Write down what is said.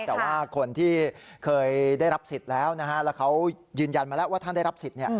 แต่ว่าคนที่เคยได้รับสิทธิ์แล้วนะฮะแล้วเขายืนยันมาแล้วว่าท่านได้รับสิทธิ์